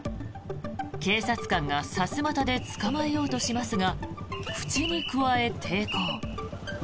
警察官がさすまたで捕まえようとしますが口にくわえ、抵抗。